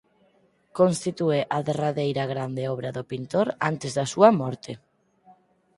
Constitúe a derradeira grande obra do pintor antes da súa morte.